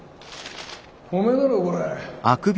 おめえだろこれ。